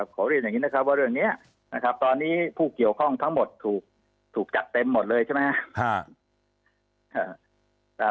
ขอเรียนอย่างนี้นะครับว่าเรื่องนี้นะครับตอนนี้ผู้เกี่ยวข้องทั้งหมดถูกจัดเต็มหมดเลยใช่ไหมครับ